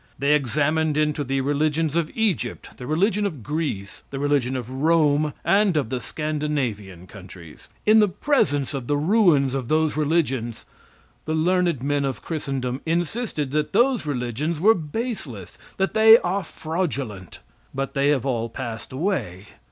They examined into the religions of Egypt, the religion of Greece, the religion of Rome and of the Scandinavian countries. In the presence of the ruins of those religions the learned men of christendom insisted that those religions were baseless, that they are fraudulent. But they have all passed away.